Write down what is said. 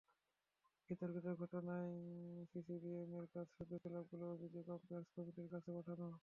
বিতর্কিত ঘটনায় সিসিডিএমের কাজ শুধু ক্লাবগুলোর অভিযোগ আম্পায়ার্স কমিটির কাছে পাঠানো।